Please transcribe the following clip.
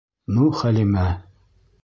Ну Хәлимә!